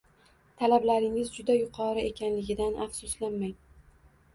Talablaringiz juda yuqori ekanligidan afsuslanmang